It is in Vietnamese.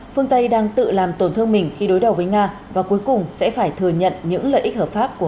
phương tây đang tự làm tổn thương mình khi đối đầu với nga và cuối cùng sẽ phải thừa nhận những lợi ích hợp pháp của mắc cơ va